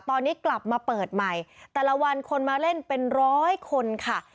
ตอนนี้กลับมาเปิดใหม่แต่ละวันคนมาเล่นเป็นร้อยคนค่ะ